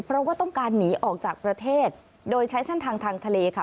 เพราะว่าต้องการหนีออกจากประเทศโดยใช้เส้นทางทางทะเลค่ะ